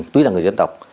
tuy là người dân tộc